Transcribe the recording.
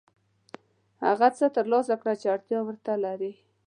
هغه څه ترلاسه کړه چې اړتیا ورته لرې.